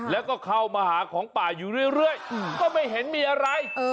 แล้วก็เข้ามาหาของป่าอยู่เรื่อยก็ไม่เห็นมีอะไร